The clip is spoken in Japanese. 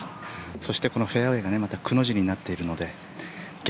そして、このフェアウェーがまた、くの字になっているので逆